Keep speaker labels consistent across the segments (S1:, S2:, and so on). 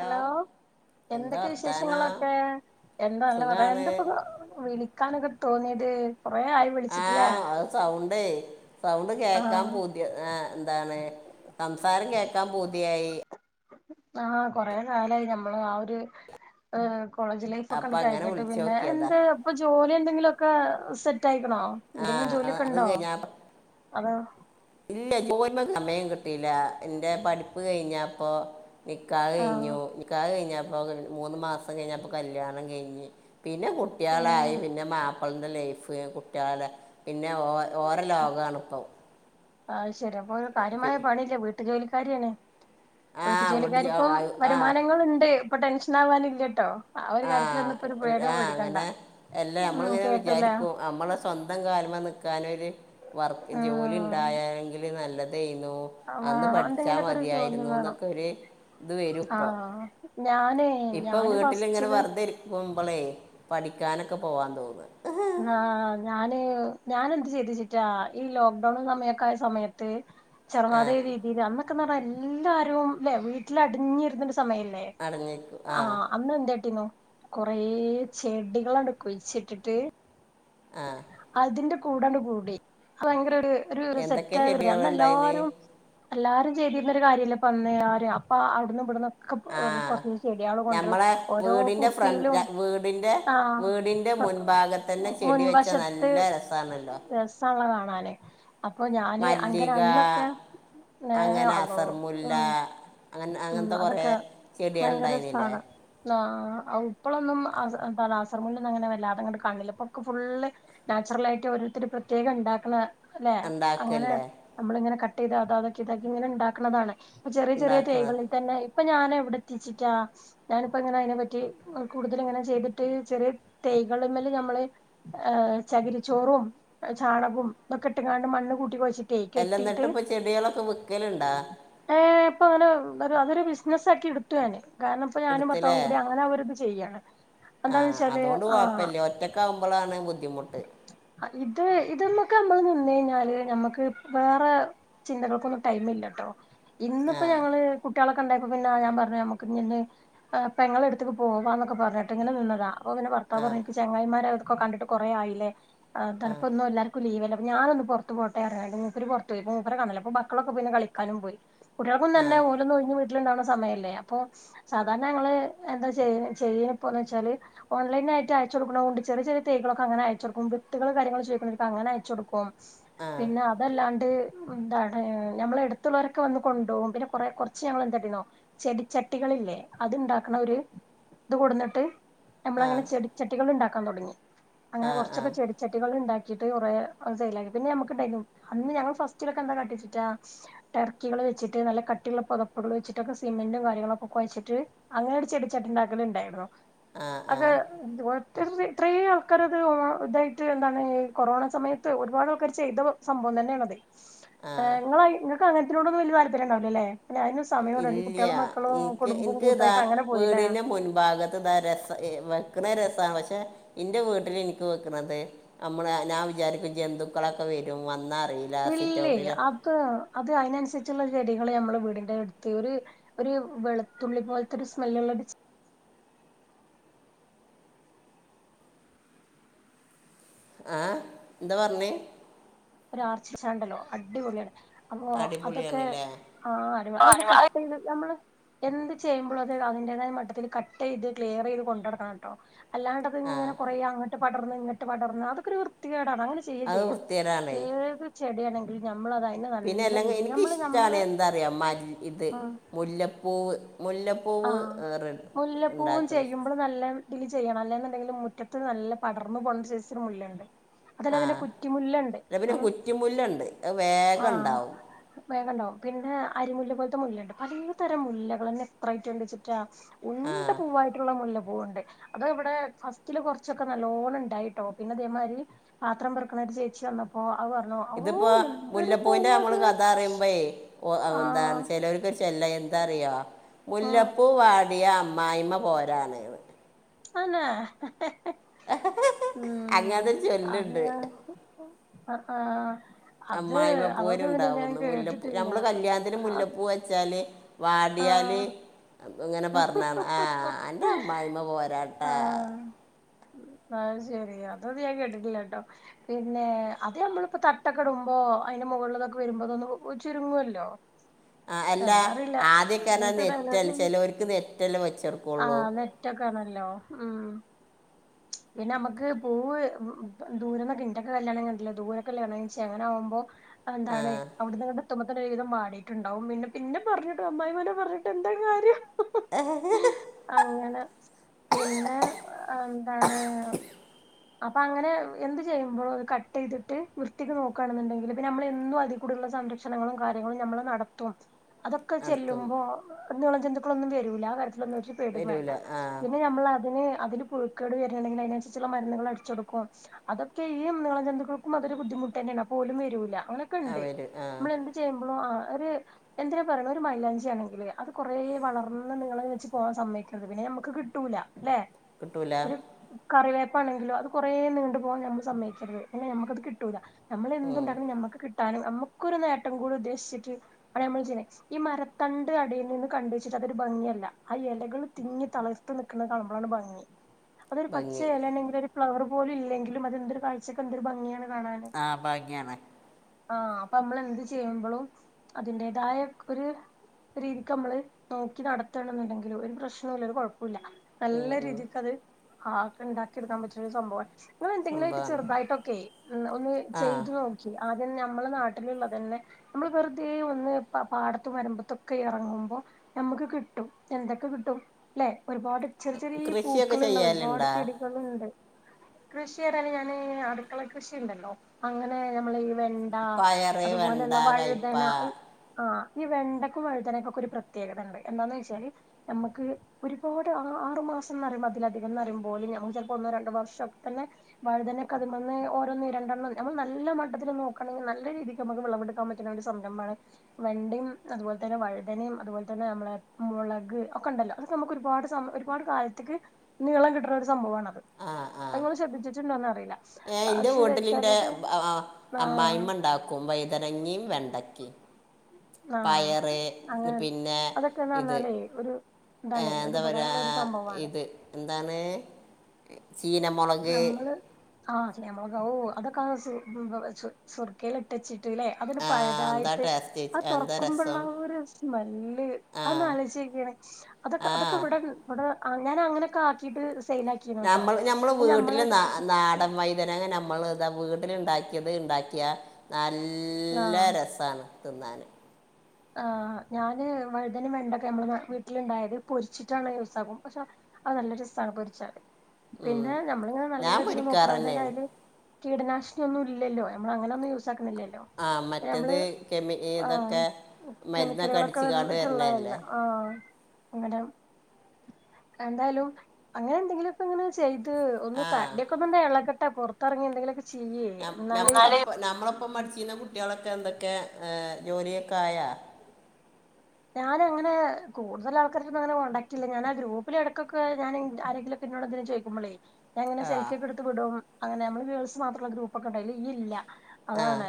S1: Hello
S2: എന്താ
S1: എന്തൊക്കെ
S2: വർത്താനോ
S1: വിശേഷങ്ങളൊക്കെ എന്താ നല്ല കഥ
S2: സുഖാണ്
S1: എന്തപ്പോ വിളിക്കാനൊക്കെ തോന്നിയത് കൊറെ ആയി
S2: ആ
S1: വിളിച്ചിട്ടില്ലേ
S2: സൗണ്ടേ സൗണ്ട് കേൾക്കാൻ
S1: ആഹ്
S2: പൂതി ആ ഏ എന്താണ് സംസാരം കേൾക്കാൻ പൂതിയായി
S1: ആഹ് കൊറെ കാലായി നമ്മൾ ആ ഒരു ഇത് ഏ കോളേജ് ലൈഫ് ഒക്കെണ്ട്
S2: അപ്പം അങ്ങനെ
S1: കഴിഞ്ഞിട്ട്
S2: വിളിച്ചു
S1: പിന്നെ
S2: നോക്കിയതാ
S1: എന്ത് ഇപ്പൊ ജോലി എന്തെങ്കിലും ഒക്കെ സെറ്റ് ആയിക്കണോ
S2: ആ
S1: എന്തെങ്കിലും
S2: അത്
S1: ജോലിയൊക്കെ
S2: അത്
S1: ഉണ്ടോ
S2: കഴിഞ്ഞാ
S1: അതോ
S2: ഇല്ല ജോലിമെ സമയം കിട്ടില്ല എന്റെ പഠിപ്പ് കഴിഞ്ഞപ്പൊ നിക്കാഹ്
S1: ആഹ്
S2: കഴിഞ്ഞു നിക്കാഹ് കഴിഞ്ഞപ്പോൾ മൂന്ന് മാസം കഴിഞ്ഞപ്പോ കല്യാണം കഴിഞ്ഞ് പിന്നെ
S1: ഉം
S2: കുട്ടികളായി പിന്നെ മാപ്പിളിന്റെ ലൈഫ് കുട്ടികളെ പിന്നെ ഓ ഓരോ ലോകണ് ഇപ്പൊ
S1: ആ ശരി അപ്പൊ കാര്യമായ പണിയില്ലേ വീട്ടു ജോലിക്കാരിയണ്
S2: ആ
S1: വീട്ട്
S2: ഓടി ജ- ആ
S1: ജോലിക്കാർക്കും
S2: ആ,
S1: വരുമാനങ്ങളുണ്ട് ഇപ്പൊ ടെൻഷൻ ആകാനില്ലട്ടോ
S2: ആ ആ അങ്ങനെ എല്ലാം
S1: ഉം
S2: നമ്മളിങ്ങനെ
S1: കേട്ടൂലേ
S2: വിചാരിക്കും നമ്മളെ സ്വന്തം കാലമ നിക്കാൻ നിക്കാൻ ഒരു വർക്ക് ജോലി
S1: ആഹ്
S2: ഉണ്ടായെങ്കിൽ നല്ലത്യുന്നു അന്ന്
S1: വേണം
S2: പഠിച്ചാ
S1: എന്തെങ്കിലൊക്കെ ഒരു ജോലി
S2: മതിയായിരുന്നു
S1: വേണം
S2: എന്നൊക്കെ ഒരു ഇത് വരും ഇപ്പൊ
S1: ഞാനേ
S2: ഇപ്പൊ വീട്ടിലിങ്ങനെ വെറുതെ ഇരിക്കുമ്പോളേ പഠിക്കാനൊക്കെ പോവാൻ തോന്നുന്നു
S1: ആ ഞാന് ഞാന് എന്ത് ചെയ്തു ചിട്ടാ ഈ ലോക്ക്ഡൗൺ സമയക്ക ആയ സമയത്ത്
S2: ആ
S1: ചെറുമാതേ രീതിയിൽ അന്നൊക്കെന്ന് പറഞ്ഞാൽ എല്ലാരും അല്ലെ വീട്ടിൽ അടിഞ്ഞിരുന്നൊരു സമയം അല്ലേ
S2: അടഞ്ഞിരിക്കും ആ
S1: ആഹ അന്ന് എന്താട്ടിന്നു കൊറെ ചെടികൾ അങ്ങ് കുഴിച്ചു ഇട്ടിട്ട്
S2: ആ
S1: അതിന്റെ കൂടങ്ങ് കൂടി അ ഭയങ്കര ഒരു സെറ്റ്
S2: എന്തൊക്കെ
S1: ആയവ അന്ന്
S2: ചെടികളുണ്ടായിന്
S1: എല്ലാരും എല്ലാരും ചെയ്തിരുന്നരു കാര്യമല്ലേ അന്ന് അപ്പൊ അവിടുന്ന് ഇവിടന്ന്
S2: ആ
S1: കുറച്ച് ചെടികൾ കൊണ്ടരും
S2: നമ്മളെ
S1: ഓരോ
S2: വീടിന്റെ ഫ്രണ്ട്
S1: കുപ്പിയിലും
S2: വീടിന്റെ വീടിന്റെ
S1: ആഹ്
S2: മുൻഭാഗത്ത് തന്നെ ചെടി വെച്ച നല്ല രസമാണല്ലോ
S1: കാണാൻ അപ്പൊ ഞാൻ അങ്ങനെ
S2: മല്ലിക
S1: അന്നൊക്കെ ഏ
S2: അങ്ങനെ
S1: അതോ
S2: അസർമുല്ല
S1: മ്
S2: അങ്ങനെ
S1: ഉം
S2: അങ്ങനത്തെ കുറേ
S1: അതൊക്കെ
S2: ചെടികൾ
S1: ഭയങ്കര
S2: ഉണ്ടായിരുന്നില്ലേ
S1: ഇഷ്ടമാണ് ആ ഇപ്പളൊന്നും അസം അസർ മുല്ലന്നും അങ്ങനെ വല്ലാത അങ്ങോട്ട് കാണില്ല ഇപ്പൊ ഫുള്ള് നാച്ചുറൽ ആയിട്ട് ഓരോരുത്തർ പ്രത്യേകം ഉണ്ടാക്കണ അല്ലെ അങ്ങനെ
S2: ഉണ്ടാക്കല്ലേ
S1: നമ്മൾ ഇങ്ങനെ കട്ട് ചെയ്ത അതൊക്കെ ഇതാക്കി ഇങ്ങനെ ഉണ്ടാക്കുന്നതാണ് ഇപ്പൊ ചെറിയ ചെറിയ
S2: ഉണ്ടാക്കണ
S1: തൈകൾ തന്നെ ഇപ്പൊ ഞാൻ എവിടെ എത്തിച്ചക്കാ ഞാനിപ്പോ ഇങ്ങനെ അതിനെ പറ്റി കൂടുതൽ ഇങ്ങനെ ചെയ്തിട്ട് ചെറിയ തൈകൾ മലിൽ നമ്മൾ ഏ ചകിരിച്ചോറും ചാണകവും ഒതൊക്കെ ഇട്ടുംങ്ങാണ്ട് മണ്ണ് കൂട്ടി കൊയ്ച്ച്
S2: എല്ല എന്നിട്ട് ഇപ്പൊ ചെടികളൊക്കെ വിൽക്കലുണ്ടാ
S1: ഏഹ ഇപ്പൊ അങ്ങനെ ഒരു അതൊരു ബിസിനസ്സ് ആക്കി എടുത്തു ഞാൻ കാരണം ഇപ്പൊ ഞാനും ഭത്താവും കൂടി അങ്ങനെ ഒരു ചെയ്യാണ് എന്താന്ന്
S2: ആഹ്
S1: വെച്ചാല്
S2: അതുകൊണ്ട്
S1: ആ
S2: കുഴപ്പമില്ല ഒറ്റക്കെ ആവുമ്പോഴാണ് ബുദ്ധിമുട്ട്
S1: ഇത് ഇതമ്മക്കെ നമ്മൾ നിന്ന് കഴിഞ്ഞാൽ നമ്മുക്ക് വേറെ ചിന്തകൾക്കൊന്നും ടൈം ഇല്ലട്ടോ
S2: ആ
S1: ഇന്നിപ്പോ ഞങ്ങൾ കുട്ടികളെ കണ്ടപ്പോ പിന്നെ ഞാൻ പറഞ്ഞു നമ്മക്ക് ഇന്ന് പെങ്ങളെ അടുത്തുക്ക് പോവാന്നൊക്കെ പറഞ്ഞിട്ട് ഇങ്ങനെ നിന്നതാ അപ്പൊ പിന്നെ ഭർത്താവ്
S2: ആ
S1: പറഞ്ഞു എനിക്ക് ചങ്ങായിമാരെ കണ്ടിട്ട് കുറെ ആയില്ലേ ആ തണുപ്പൊന്നും എല്ലാർക്കും ലീവല്ല ഞാനൊന്നും പുറത്ത് പുറത്ത് പോട്ട മൂപ്പർ പുറത്ത് പോയി മൂപ്പരെ കണ്ടില്ല അപ്പൊ മക്കളൊക്കെന്നെ കളിക്കാനും പോയി കുട്ടികൾക്കും
S2: ആ ആ
S1: തന്നെ ഓലെന്നും വീട്ടിലിണ്ടാണ സമയല്ലേ അപ്പൊ സാധാരണ ഞങ്ങള് എന്താ ചെയ്യ ചെയ്യണപ്പോന്ന് വെച്ചാല് ഓൺലൈനായിട്ട് അയച്ച് കൊടുക്കുന്ന കൊണ്ട് ചെറിയ ചെറിയ തേകളൊക്കെ അങ്ങനെ അയച്ച് കൊടുക്കും വിത്തുകൾ കാര്യങ്ങളും ചോയ്ക്കുന്നൊക്കെ അങ്ങനെ അയച്ച് കൊടുക്കും പിന്നെ
S2: ആ
S1: അതല്ലാണ്ട് എന്താണ് ഞമ്മള് എടുത്തുള്ളവരക്കെ വന്ന് കൊണ്ടോകും പിന്നെ കൊറെ കൊറച്ച് ഞങ്ങള് എന്തെടുന്നോ ചെടിച്ചട്ടികളല്ലേ അത്ണ്ടാക്കണ ഒരു ഇത് കൊടുന്നിട്ട് നമ്മളങ്ങനെ ചെടിച്ചട്ടികള് ഇണ്ടാക്കാൻ തുടങ്ങി
S2: ആ
S1: അങ്ങനെ കുറച്ചൊക്കെ
S2: ആ
S1: ചെടി ചട്ടികൊണ്ട് ഇണ്ടാകിട്ട് കുറെ ചെയലാക്കി പിന്നെ ഞമ്മക്ണ്ടായിരുന്നു അന്ന് ഞങ്ങള് ഫസ്റ്റിലൊക്കെ എന്താ കാട്ടിച്ചിട്ടാ. ടർക്കികൾ വെച്ചിട്ട് നല്ല കട്ടിള്ള പൊതപ്പുകൾ വച്ചിട്ടൊക്കെ സിമന്റും കാര്ങ്ങളൊക്കെ കൊയച്ചിട്ട്. അങ്ങനൊരു ചെടിച്ചട്ടി ഇണ്ടാക്കല് ഇണ്ടായിരുന്നു
S2: ആ ആ
S1: അത് ഒത്തി ഇത്ര ആൾക്കാരത് ഇതായിട്ട് എന്താണ് ഈ കൊറോണ സമയത്ത് ഒരുപാട് ആൾക്കാർ ചെയ്ത സംഭവം തന്നെയാണ് അത്. ഏഹ് നിങ്ങള് നിങ്ങക്ക് അങ്ങൻ തിനോടൊന്നും വല്ല്യ താല്പര്യം ഇണ്ടാവുലല്ലേ.
S2: ഇല്ല ഇൻക്ക്
S1: കുടുംബവും
S2: ഇൻക്ക്താ
S1: കൂട്ടായിട്ട് അങ്ങനെ പോയില്ലേ
S2: വീടിന്റെ മുൻഭാഗത്ത് ദാ രസ വെക്ണ് രസാ പക്ഷെ ഇന്റെ വീട്ടില് ഇൻക്ക് വെക്ക്ണത്. നമ്മള് ഞാൻ വിചാരിക്കും ജന്തുക്കളൊക്കെ വരും വന്നാറിയും
S1: ഇല്ലില്ല അത് അത് അയ്നനുസരിച്ചുള്ള ചെടികള് നമ്മള് വീടിന്റെ എട്ത്ത് ഒരു. ഒരു വെളുത്തുള്ളി പോലത്തെ ഒരു സ്മെല്ലുള്ള ചെ
S2: ആഹ് എന്താ പറഞ്ഞേ
S1: ഒര് ആർച്ചസാണ്ടല്ലോ അടിപൊളിയാണ് അപ്പൊ അതൊക്കെ
S2: അടിപൊളിയാണ് അല്ലേ
S1: ആ അതിനെ കട്ട് ചെയ്ത്ട്ട് നമ്മള്. എന്ത് ചെയ്യുമ്പോളും അത് അതിന്റേതായ മട്ടത്തില് കട്ട്യ്ത് ക്ലിയർ ചെയ്ത് കൊണ്ടടക്കണട്ടോ.
S2: ആ
S1: അല്ലാണ്ടത്ങ്ങനെ കുറേ അങ്ങട്ട് പടർന്ന് ഇങ്ങട്ട് പടർന്ന് അതൊക്കൊരു വൃത്തികേടാണ്. അങ്ങനെ ചെയ്യേ ചെയ്യരുത്.
S2: [unintelligible]
S1: ഏത് ചെടിയാണെങ്കിൽ ഞമ്മളത്
S2: പിന്നെ എല്ലെങ്കി എനിക്കിഷ്ടാണ് എന്താറിയൊ മ ഇത്
S1: ഉം
S2: മുല്ലപ്പൂവ് മുല്ല പൂവ് റെഡ് ഇണ്ടാക്കണേ
S1: നമ്മള് നല്ല ഇതില് ചെയ്യണം അല്ലന്ന്ണ്ടെങ്കില് മുറ്റത്ത് നല്ല പടർന്നു പൊന്തലിച്ച മുല്ലയാണത്. അതില്ലാ
S2: ആ
S1: പിന്നെ കുറ്റിമുല്ലണ്ട്
S2: അല്ല പിന്നെ
S1: ഉം
S2: കുറ്റിമുല്ലുണ്ട് അത് വേഗം
S1: ആഹ്
S2: ഉണ്ടാവും
S1: വേഗണ്ടാവും പിന്നെ അരിമുല്ല പോലത്തെ മുല്ലണ്ട് പലതരം മുല്ലകൾന്നെ എത്രായിട്ട്ണ്ട്ച്ചിറ്റാ. ഉണ്ട
S2: ആ
S1: പൂവായി മുല്ല പൂവ്ണ്ട് അത് ഇവിടെ ഫസ്റ്റില് കുറച്ചൊക്കെ നല്ലോണം ഇണ്ടായിട്ടോ പിന്നെതേമാരി പത്രം പെറക്കണ ഒരു ചേച്ചി വന്ന്
S2: ഇതിപ്പോ മുല്ലപ്പൂവിന്റെ നമ്മള്
S1: പൂവത്
S2: കഥറിയുമ്പയേ എന്താ
S1: ആഹ്
S2: ചെലർക്ക്. ചെല്ല എന്തറിയോ
S1: ഉം
S2: മുല്ലപ്പൂ വാടിയ അമ്മായിമ്മ പോരാണ്.
S1: ആന്നാ ഉം
S2: അങ്ങനത്തെ ഒരു ചൊല്ലുണ്ട്
S1: അതെയാ ആഹ് ആഹ് അത്
S2: അമ്മായിമ്മ
S1: അതൊന്നും പിന്നെ ഞാൻ
S2: പോരുണ്ടാവുന്നു മുല്ലപ്പൂ
S1: കേട്ടിട്ടില്ല
S2: നമ്മള് കല്യാണത്തിന്
S1: ആഹ്
S2: മുല്ലപ്പൂ വെച്ചാല്. വാടിയാൽ
S1: ആഹ്
S2: ഇങ്ങനെ പറഞാണ് ആ അൻ്റെ അമ്മായിമ്മ പോരാട്ടാ.
S1: ആഹ് ശരി അതൊന്നും ഞാൻ കേട്ടിട്ടില്ലട്ടോ. പിന്നെ അത് നമ്മളിപ്പോ തട്ടൊക്കെടുമ്പോ അയ്ന്റെ മുകളിലതൊക്കെ വരുമ്പോതൊന്ന് ചുരുങ്ങല്ലോ
S2: ആഹ് അല്ല ആദ്യൊക്ക നെറ്റൽ ചെലോർക്ക് നെറ്റല് വെച്ച
S1: ആഹ് നെറ്റൊക്കെ ആണല്ലോ ഉം പിന്നെ അമ്മക്ക് പൂവ് ദൂരംന്നൊക്കെ ഇണ്ടൊക്കെ കല്യാണം കണ്ടല്ല ദൂര കല്യാണം കയിച്ചു അങ്ങനാകുമ്പോ
S2: ആ
S1: എന്താണ് അവിട് ഇങ്ങട് ത്തുമ്പോത്തിന് ഒരു വിതം വാടിയിട്ടുണ്ടാവും പിന്നെ ഇന്നെ പറഞ്ഞിട്ട് അമ്മായിമ്മാനെ പറഞ്ഞിട്ട് എന്താ കാര്യം
S2: ഏഹ്
S1: അങ്ങനെ പിന്നെ എന്താണ് അപ്പൊ അങ്ങനെ എന്ത് ചെയ്യുമ്പോഴോ അത് കട്ട ചെയ്തിട്ട് വൃത്തിക്ക് നോക്കാണെന്നുണ്ടെങ്കില് പിന്നെമ്മള് എന്തും അഹ് കൂടുള്ള സംരക്ഷണങ്ങളും കാര്യങ്ങളും നമ്മള് നടത്തും അതൊക്കെ
S2: നടത്തും
S1: ചെല്ലുമ്പോ നീള ജന്തുക്കളൊന്നും വരൂല ആ കാര്ത്തിലൊന്നും പെടും
S2: വരൂല
S1: വേണ്ട
S2: ആ
S1: പിന്നെ നമ്മൾ അതിന് അതില് പുഴുക്കള് വരാ ണെങ്കി അതിനനസരിച്ചുള്ള മരുന്നുകള് അടിച്ച കൊടുക്കോ അതൊക്കെഈ നീള ജന്തുക്കൾക്കും അതൊരു ബുദ്ധിമുട്ടെന്നെണ് അപ്പം ഓലും വരൂല
S2: ആ
S1: ക്കണ്ട്
S2: വരും ആ
S1: നമ്മൾ എന്ത് ചെയ്യുമ്പളും ആ ഒരു എന്തിനാ പറയിണു ഒരു മൈലാഞ്ചി ആണെങ്കില് അത് കുറേ വളർന്ന് നീളം വെച്ച് പോവാൻ സമ്മയ്ക്കരുത് പിന്നെ ഞമ്മക്ക് കിട്ടൂല അല്ലെ
S2: കിട്ടൂല
S1: കറിവേപ്പാണെങ്കിലോ അത് കുറേ നീണ്ടു പോകാൻ നമ്മൾ സമ്മയ്ക്കരുത് പിന്നെ നമുക്കത് കിട്ടൂല
S2: ഉം.
S1: ഞമ്മളെന്തുണ്ടങ്കും നമുക്ക് കി ട്ടാനും നമുക്കൊരു നേട്ടം കൂടി ഉദ്ദേശിച്ചിട്ട് ആണ് നമ്മൾ ചെയണ ത് ഈ മരത്തണ്ട് അടിന്ന് കണ്ട വ അതൊരു ഭംഗിയല്ല ആ ഇലകൾ തിങ്ങി തളർത്ത് നിൽക്കുന്ന കാണുമ്പോഴാണ് ഭംഗി അതൊരു പച്ച
S2: ഭംഗി
S1: എലാണെ അല്ലെങ്കിൽ ഒരു ഫ്ലവർ പോല ഇല്ലെങ്കില അതെന്തൊരു കാഴ്ചക്ക എന്തൊരു ഭംഗിയാണ് കാണാന
S2: ആ ഭംഗിയാണ്
S1: ആഹ് അപ്പൊ നമ്മൾ എന്ത് ചെയ്യുമ്പോഴും അതിന്റേതായ ഒര് രീതിക്ക് നമ്മള് നോക്കി നടത്തണം എന്നില്ലെങ്കില ഒരു പ്രശ്നല്ല ഒരു കൊഴപ്പുല്ല നല്ല രീതിക്ക് അത് ആഹ് ഒക്കെ ഉണ്ടാക്കിയെടുക്കാൻ പറ്റരു സംഭവ ഇങ്ങള് എന്തെങ്കിലും ആയിറ്റ്
S2: സംഭവമാണ്
S1: ചെറുതായിട്ടൊക്കെ ഒന്ന്
S2: ആ
S1: ചെയ്തു നോക്കി ആദ്യം നമ്മെ നാട്ടിലുള്ള തന്നെ നമ്മള് വെറുതെ ഒന്ന് പാടത്തും വരുമ്പത്തൊക്കെ എറങ്ങുമ്പോ നമുക്ക് കിട്ടും എന്തൊക്കെ കിട്ടും അല്ലെ ഒരുപാട് ചെറിയ ചെറിയ
S2: കൃഷിയൊക്കെ
S1: പൂക്കളുള്ള
S2: ചെയ്യാലുണ്ടാ
S1: കൃഷിറൽ ഞാൻ അടുക്കള കൃഷിയുണ്ടല്ലോ അങ്ങനെ നമ്മൾ ഈ വെ
S2: പയറ് വെണ്ട
S1: അതുപോലെയുള്ള
S2: കയ്പ
S1: വഴുതന ആ ഈ വെണ്ടക്കും വഴുതനക്കൊക്കെ പ്ര ത്യേകത ഉണ്ട് എന്താന്ന് വെച്ചാല് നമക്ക് ഒരുപാട് ആറ് മാസംന്ന് പറയ്പോ അതിലധികം പറയുമ്പോലും ഞ ച ഒന്നോ രണ്ടോ വർഷംക്കെ തന്നെ വഴുതന്നെ കതിമ്മന്ന് ഓരോന്ന് രണ്ടെണ്ണം നമ്മ നല്ല മട്ടത്തി നോക്കണങ്കി നല്ലീരീതിക്ക് നമുക്ക് വിളവെടുക്കാൻ പറ്റും സംരംഭമാണ് വെന്ടിം അതുപോലെ തന്നെ വഴുതനയും അതുപോലെ ന്നെ നമ്മളെ മുളക് ഒക്കെ ഉണ്ടല്ലോ അതെ നമുക്ക് ഒരുപാട് ഒരുപാട് കാലത്തേക്ക് നീളം കിട്ടണ സംഭവണത് അങ്ങൾ ശ്രദ്ധിച്ചിട്ടുണ്ടോന്ന അറിയില്ല
S2: ഏഹ് ഇന്റെ
S1: പക്ഷെ
S2: വീട്ടിലിന്റെ
S1: ചിലത് ആഹ്
S2: അമ്മായിമ്മ ഇണ്ടാക്കും വയ്തനങ്ങിയും വെണ്ടക്കിം
S1: ആഹ്
S2: പയറ്
S1: അങ്ങനെ
S2: പിന്നെ
S1: അതൊക്കെന്ന്
S2: ഇത്
S1: പറഞ്ഞാലേ ഒരു ഇതാണേ ഒരു
S2: എന്താ പറയാ
S1: ഉപകാരമുള്ള ഒരു സംഭവമാണ്
S2: ഇത് എന്താണ് ചീനം
S1: നമ്മള് ആഹ് നമ്മള ഓ അതൊക്കെ [unintelligible] ക്കൽ ഇട്ടച്ചിട്ട് അല്ലെ അതൊന്
S2: ആ എന്താ
S1: പഴതായിട്ട്
S2: ടേസ്റ്റ്
S1: ആഹ്
S2: എന്താ
S1: തുറക്കുമ്പോള്ള
S2: രസം
S1: ഒരു സ്മെല്ല്
S2: ആ
S1: അന്ന് അലൊചോക്കിയ അതൊക്കെ അതൊക്കെ
S2: ആ
S1: ഇവിടെ ഇവിടെ ഞാൻ അങ്ങനെയൊക്കെ ആക്കിട്ട് സെയിൽ ആക്കിണ്ട്ടോ
S2: വീട്ടില ന നാടൻ വൈതനെ നമ്മൾ ഇതാ വീട്ടില ഇണ്ടാക്കിയത് ഇണ്ടാക്കിയ നല്ല
S1: ആഹ്
S2: രസാണ് തിന്നാന്
S1: ആഹ് ഞാന് വഴുതനും വെണ്ടൊക്കെ നമ്മള് വീട്ടിലുണ്ടായത് പൊരിച്ചിട്ടാണ് യൂസ ആകും പക്ഷെ അത് നല്ല രസാണ് പൊരിച്ചാല് പിന്നെ നമ്മളിങ്ങനെ നല്ല
S2: ഞാൻ
S1: രീതിൽ
S2: പൊരിക്കാറ്
S1: നോക്കണ
S2: തന്നെയാണ്
S1: അതായല് കീടനാശിനിയന്നും ഇല്ലല്ലോ നമ്മള് അങ്ങനെന്നും യൂസാക്ക്ണ്ല്ലല്ലോ
S2: ഹ് ആ
S1: പിന്നെ
S2: മറ്റത് കെമി ഇതൊക്കെ മരുന്നൊക്കെ
S1: കെമിക്കലുകളൊക്കെ
S2: അടിച്ച കാണ്ട് വരണ
S1: വന്നിട്ടുള്ളതല്ല
S2: അല്ലേ
S1: ആഹ് അങ്ങനെ എന്തായാലും അങ്ങനെ എന്തെങ്കിലുംക്കെ ഇങ്ങനെ ചെയ് ഒന്ന്
S2: ആ
S1: തടിയൊക്കൊ എന്താ എളകട്ടെ പൊറത്തിറങ്ങി എന്തെിലൊക്കെ
S2: ആഹ് നമ്മളിപ്പ പഠിച്ചിരുന്ന കുട്ടികളൊക്കെ എന്തൊക്കെ ജോലിയൊക്കെ ആയാ
S1: ഞാനഅങ്ങനെ കൂടുതൽ ആൾക്കാർന്നുംങ്ങനെ കോണ്ടാക്ട് ഇല്ല ഞൻാ ഗ്രൂപ്പില ഇടക്കൊക്കെ ഞാൻ ആരെങ്കിലും ഇന്നോട് എന്തലും ചോക്കുമ്പോളേ ഞനിങ്ങനെ
S2: ആ
S1: സെൽഫി ഒക്കെടുത്ത് വിടും അങ്ങനെ നമ്മ ഗേൾസ് മാത്രമുള്ള ഗ്രൂപ്പ ഒക്കെണ്ട് അയിൽ ഇയ്യ് ഇല്ല
S2: ആ
S1: അതാണ്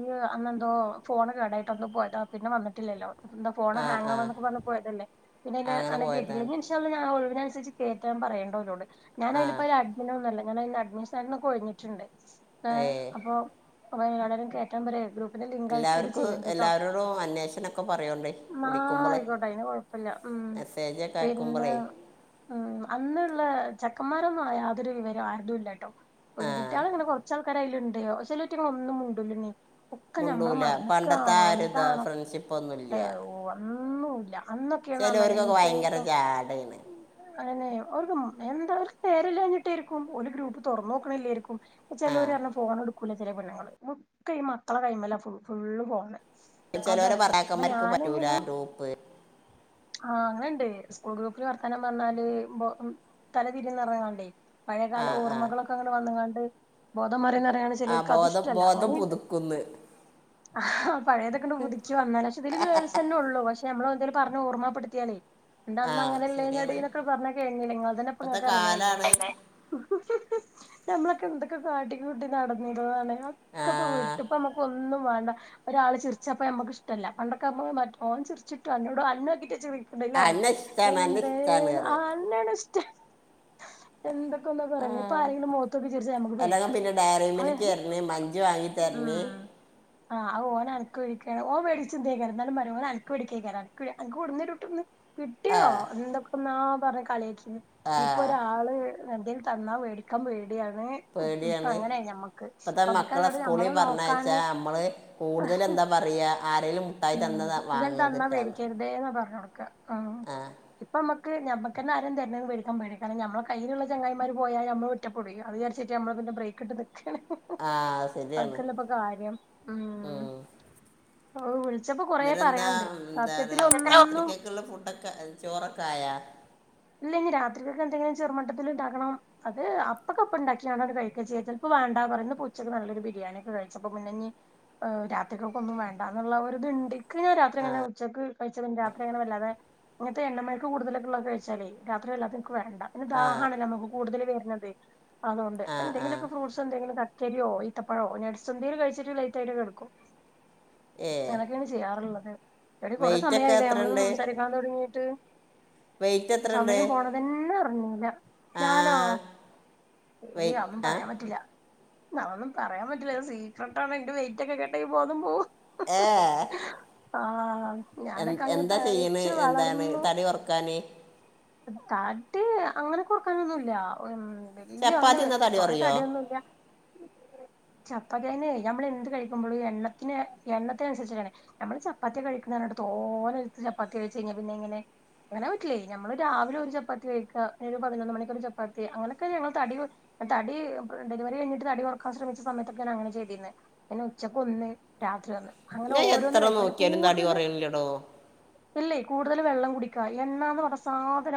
S1: യ്യ് അന്നന്തോ ഫോൺ കേടായിട്ട്ന്തോ പോയതണ് പിന്നെ വന്നിട്ടില്ലല്ലോ എന്താ ഫോണ്
S2: ആ
S1: ഹാങ്
S2: ആ
S1: ആവാന്നോക്കെ പറഞ്ഞ് പോയതല്ലേ പിന്നെ അയില്
S2: അങ്ങനെ
S1: അനെ കിട്ടില്ല,
S2: പോയതാണ്
S1: ഇജ് ഇൻസ് ഒഴവിനുസരിച്ച് കോറ്റാൻ പറേണ്ടരോട്,
S2: ആ
S1: ഞാനയില് ഇപ അഡ്മിൻ ഒന്നുംല്ല ഞാൻ അയിന്ന് അഡ്മിൻ സ്ഥാനത്ത്ന്ന്ഒക്കെ ഒഴിഞ്ഞിട്ടുണ്ട്
S2: ഏ
S1: ഏഹ് അപ്പൊ ആരോ ഞാൻപറയാേ ഗ്രൂപ്പിന്റെലിങ്ക് അയക്കക്കൊ ചെയ്യണ്ട്ട്ടോ
S2: ബ്രോ അ അന്വേഷനൊക്കെ പറയൊണ്ടേ
S1: ആഹ് ആയിക്കോട്ടെ അയിന് കൊഴപ്പില്ല ഉം
S2: മെസ്സേജൊക്കെ
S1: പിന്നെ
S2: അയക്കുമ്പോഴേ
S1: ഉം അന്നുള്ള ചെക്കന്മാരൊന്നും യാതൊരു വിവരവും ആരുതുംഇല്ലട്ടോ
S2: ആ
S1: പെങ്കുട്ടികളിങ്ങനെ കൊറച്ചാൾക്കാര അയല്ണ്ട് ചെലറ്റങ്ങൾ ഒന്നും മുണ്ടുലഇണ്ണി
S2: മുണ്ടൂല പണ്ടത്തെ ആ രു ഇതാ ഫ്രണ്ട്ഷിപ്പൊന്നു ഇല്ല
S1: ഏഹ് ഒന്നുല്ല അന്നൊക്കെന്ന് പറഞ്ഞാ
S2: ചേലോർക്കൊക്കെ ഭയങ്കര
S1: എന്തേന്നു
S2: ചാടാണ്
S1: അങ്ങനെ ഓർക്കും എന്താ ഒര്ക് നേരെല്ലഞ്ഞിട്ടായിരിക്കും ഒരു ഗ്രൂപ്പ് തുറന്നോക്കണില്ലേരിക്കും.
S2: ആ
S1: ചെലോര് പറ്ഞ്ഞ ഫോൺഎടുക്കൂല ചെലെ പെണ്ണങ്ങങ്ങള് ഒക്കെ ഈ മക്കളെ കയ്മല ഫുള്ള് ഫോണ്.
S2: ചേലോരെ
S1: അതാണ് അപ്പൊ
S2: ഭർത്താക്കന്മാര്ക്കും പറ്റൂല
S1: ഞാനിങ്ങനെ
S2: ഗ്രൂപ്പ്.
S1: ആഹ് അങ്ങണ്ട് സ്കൂൾ ഗ്രൂപ്പില് വർത്തനം പറഞ്ഞാല് ഇപ്പൊ തല തിരിന്നറ്ഞ്കാണ്ടേ
S2: ആ
S1: പയെകാല
S2: ആ
S1: ഓർമ്മകളൊക്കെ അങ്ങനെ വന്ന കാണ്ട്. ബോധം മറിംന്ന് ന്നറിഞ്കാണ്ട്
S2: ആ
S1: ചേലോൽക് അത്
S2: ബോധം
S1: ഇഷ്ടല്ല
S2: ബോധം
S1: അങ്ങനിണ്ട്.
S2: പുതുക്കുന്ന്
S1: അഹ് പഴയതൊക്കെണ്ട് പുതുക്കി വന്നാലോച്ച് ഇതില് ഗേൾസെന്നെ ഒള്ളൂ പക്ഷെ ഞമ്മള എന്തേലും പറഞ് ഓർമ്മപ്പെടുത്തിയാലേ.
S2: ആ
S1: അന്ന്
S2: ശരിയാണ്
S1: അങ്ങനെല്ലേന്നടിന്നൊക്കെ പറഞ് കഴിഞ്ഞിലെ നിങ്ങൾതന്നെപ്പൊ
S2: ഇപ്പത്തെ
S1: ങ്ങക്ക് അറിണല്ലേ
S2: കാലാണ്
S1: ഞമ്മളൊക്കെ എന്തൊക്കെ കാട്ടികൂട്ടി നടന്നിര്ന്നതാണ്.
S2: ആ
S1: ഒക്കപ്പ വിട്ട് പ്പം നമ്മക്ക് ഒന്നും വേണ്ട ഒരാള് ചിരിച്ചപ്പ നമ്മക്ക് ഇഷ്ട്ടല്ല. പണ്ടൊക്കമ്മ മറ്റ ഓൻ ചിരിച്ചിട്ടും അന്നോട് അന്നൊക്കിട്ട് ചിറിക്കണ്ടല്ലേ
S2: അന്നെ ഇഷ്ടാണ് അന്നെ
S1: എന്തേ
S2: ഇഷ്ടാണ് കയറ്
S1: ആഹ് അന്നേണ് ഇഷ്ടം. എന്തൊക്കെന്ന് പറഞ് ഇപ്പൊ ആരെങ്കിലും മോതോകി ചിരിച്ച നമ്മക്ക് പേടിയാ
S2: അല്ലെങ്കിൽ
S1: അത
S2: തന്നെ.
S1: ആഹ് ഓന്അൻക്ക്ഇന്ക്ക് ഓന് വെ ചിട്ടെക്കാരം എന്നാലുംപറയുഒനൻക്ക് അനക്ക് പിടിക്കേക്കരം അനക്ക് അനക്ക് കൊടുന്നൊരുട്ടൊന്ന് കിട്ട്യോ എന്ത ഇപ്പൊ ന്നാ പറഞ് കളിയാക്കിന്
S2: ആ
S1: ഇപ്പൊ ഒരാള് എന്തേല് തന്നാ വേടിക്കാൻ പേടിയാണ് ഇപ്പ
S2: പേടിയാണ്
S1: അങ്ങനെയായി ഞമ്മക്ക്
S2: പ്പത്തെ
S1: നമുക്കത്
S2: മക്കളെ
S1: കണ്ട്
S2: സ്കൂളിൽ
S1: നമ്മളെ
S2: പറഞ്ഞയച്ചാ
S1: നോക്കാന്
S2: നമ്മള് കൂടുതൽ എന്താ പറയാ ആരെലും
S1: ഉം ഇന്തേ തന്നാ വേടിക്കരുതേന്നാ പറഞ്ഞോട്ക ആഹ്
S2: ആ
S1: ഇപ്പൊ മ്മക്ക് ഞമ്മക്കെന്നെ ആരും തരുന്ന മേടിക്കാൻ പേടിയാ കാരണം നമ്മ കയിലുള്ള ചങ്ങായിമാര് പോയാ നമ്മള് റ്റ പുടിക്കും അത്ചാരിച്ട്ട് നമ്മള് പിന്ന ബ്രേക്ക് ഇട്ട് നിക്ക്ണ്.
S2: ആ ശരിയാണ്
S1: അതക്കെല്ലപ്പൊ കാര്യം മം വിളിച്ചപ്പോ കൊറേ
S2: ഇന്നട്ട് എന്താ
S1: പറയാണ്ട്
S2: ന്താണ്
S1: സത്യത്തിലൊന്നും
S2: രാത്രിക്കൊക്ള്ള ഫുഡൊക്കെ ചോറൊക്ക ആയാ?
S1: ഇല്ല ഇഞ് രാത്രിക്കക്ക് എന്തെങ്കിലും ചെറുമട്ടത്തിൽ ഉണ്ടാക്കണം. അത് അപ്പൊക്കപ്പണ്ടാക്കിയാണത് കഴിക്ക ചെയ്യ, ചെലപ്പോ വേണ്ടാ പറയ ഉച്ചയ്ക്ക് നല്ലൊരു ബിരിയാണി ഒക്കെ കഴിച്ചപ്പപിന്നഞ്ഞ് രാത്രികൾക്ക് ഒന്നും വേണ്ടന്നുള്ള ഒരുരിതുണ്ട് ക്ക് രാത്രിങ്ങനെ ഉച്ചക്ക് കഴിച്ച പിന്നെ രാത്രിങ്ങനെ വല്ലാതെ ങ്ങനത്തെ എണ്ണമേക്ക് കൂടുതലക്കള്ള കഴി ച്ചാലെ രാത്രിവല്ലാതനിക്ക് വേണ്ട പിന്നെ ദാഹാണല്ലോ നമുക്ക് കൂടുതൽ വരണത്. അതുകൊണ്ട്
S2: ആ ആ
S1: ഇപ്പന്തെങ്കിലൊക്കെ ഫ്രൂട്ട്സെന്തെങ്കിലും കക്കരിയോ ഈത്തപ്പഴോ നട്സ്വന്തെലും കഴിച്ചിട്ട് ലൈറ്റായിട്ട് കെടുക്കും.
S2: ഏ
S1: ങ്ങനൊക്കെണ് ചെയ്യാറുള്ളത് എടി കൊറെ
S2: വെയിറ്റ് ഒക്കെ
S1: സമയായില്ലേ
S2: എത്ര
S1: നമ്മളൊന്ന്
S2: ഉണ്ട്
S1: സംസാരിക്കാൻ തൊടങ്ങീട്ട്.
S2: വെയിറ്റ് എത്ര ഉണ്ട്
S1: സമയം പോണതന്നെ അറിഞ്ഞീല.
S2: ആ
S1: ഞാനോ ഏയ്
S2: വെയിറ്റ്
S1: അതൊന്നും
S2: ആ
S1: പറയാൻ പറ്റില്ല. അതൊന്നും പറയാൻ പറ്റില്ലത് സീക്രട്ടാണ് എന്റെ വെയിറ്റ് ഒക്കെ കേട്ടാ ഇയ് ബോധം പോവും.
S2: ഏഹ്.
S1: ആഹ് ഞാനൊക്കെ അങ് തഴച്ച് വളർന്നു.
S2: തൊർക്കാനേ.
S1: തടി അങ്ങനെ കൊർക്കാനൊന്നുംല്ല ഉം. വല്ല്യ അങ്ങനെ
S2: ചപ്പാത്തി എന്നാ തടി
S1: തോന
S2: കുറയോ
S1: തടിയൊന്നുംല്യ. ചപ്പക്കിഴങ് ഞമ്മള് എന്ത് കഴിക്കുമ്പളും എണ്ണത്തിന് എണ്ണത്തിനുസരിച്ചിടാണ്. നമ്മള് ചപ്പാത്തി കഴിക്കുന്നറിഞ്ഞിട്ട് തോനെട്ത്ത് ചപ്പാത്തി കഴിച്ച് കഴിഞ്ഞാ പിന്നെങ്ങനെ. ങ്ങനെപ ക്ക് ഞമ്മള് രാവിലെ ഒരു ചപ്പാത്തി കഴിക്ക ഒരു പതിനൊന്ന് മണിക്ക ഒരു ചപ്പാത്തി അങ്ങനെയൊക്കെ ഞമ്മള് തടി കൊ തടി ഡെലിവറി കഴിഞ്ഞിട്ട് തടി കൊറക്കാൻ ശ്രമിച്ചസമയത്തൊക്ക ഞാങ്ങനെ ചെയ്തിര്ന്നെ. പിന്നെ ഉച്ചക്ക് ഒന്ന് രാത്രി ഒന്ന് അങ്ങനെ
S2: ഞാൻ
S1: ഓരോന്ന്
S2: എത്ര
S1: കഴിക്കണം
S2: നോക്കിയാലും തടി
S1: കൂടുതല്.
S2: കുറയണില്ലടോ
S1: ഇല്ലേ കൂടുതല് വെള്ളം കുടിക്കാ എണ്ണാന്ന് പറഞ്ഞ സാധനം.